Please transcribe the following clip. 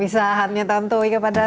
saya nyanyikan untuk anda